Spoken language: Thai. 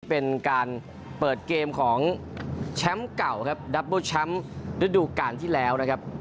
เป็นการเปิดเกมของแชมป์เก่าครับดับเบิ้ลแชมป์ฤดูกาลที่แล้วนะครับ